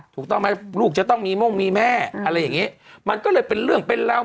ถูกต้องไหมลูกจะต้องมีม่งมีแม่อะไรอย่างงี้มันก็เลยเป็นเรื่องเป็นราว